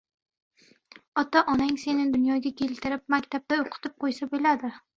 Ota-onang seni dunyoga keltirib, maktabda oʻqitib qoʻysa boʻldi.